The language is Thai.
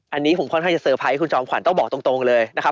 อันนี้ผมค่อนข้างจะเตอร์ไพรส์คุณจอมขวัญต้องบอกตรงเลยนะครับ